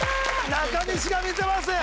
中西が見せます